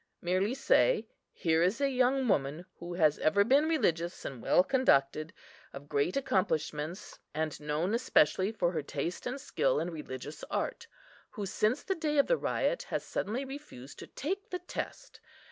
Merely say, 'Here is a young woman, who has ever been religious and well conducted, of great accomplishments, and known especially for her taste and skill in religious art, who since the day of the riot has suddenly refused to take the test.